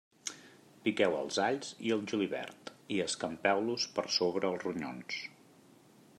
Piqueu els alls i el julivert i escampeu-los per sobre els ronyons.